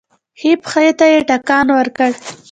ښی پښې ته يې ټکان ورکړ.